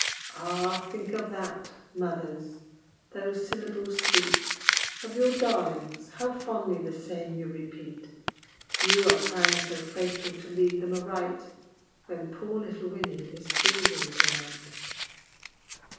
Ah! think of that, mothers! those syllables sweet Of your darlings, how fondly the same you repeat! You are trying so faithful to lead them aright When poor little Winnie is freezing to night.